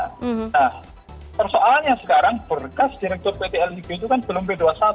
nah persoalannya sekarang berkas direktur pt lib itu kan belum p dua puluh satu